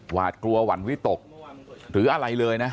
หวาดกลัวหวั่นวิตกหรืออะไรเลยนะ